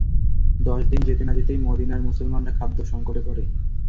দশদিন যেতে না যেতেই মদীনার মুসলমানরা খাদ্য-সংকটে পড়ে।